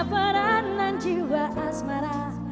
peranan jiwa asmara